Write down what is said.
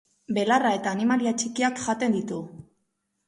Belarra eta animalia txikiak jaten ditu.